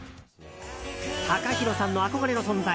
ＴＡＫＡＨＩＲＯさんの憧れの存在